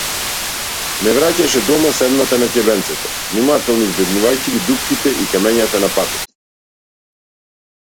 Ме враќаше дома седната на ќебенцето, внимателно избегнувајќи ги дупките и камењата на патот.